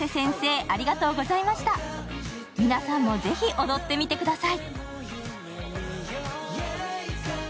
皆さんもぜひ踊ってみてください。